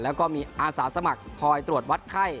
แล้วก็มีอาสาสมัครคอยตรวจวัดไข้